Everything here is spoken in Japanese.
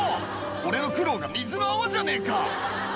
俺の苦労が水の泡じゃねえか！」